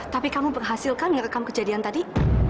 tapi kamu berhasil kan ngerekam kejadian tadi